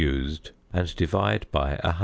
used and divide by 100.